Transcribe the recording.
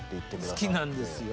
好きなんですよ。